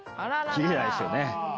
切れないですよね。